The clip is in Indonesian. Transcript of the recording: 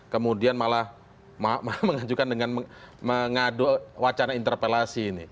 kemudian malah mengajukan dengan mengadu wacana interpelasi ini